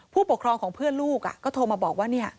ผู้ปกครองของเพื่อนลูกก็โทรมาบอกว่า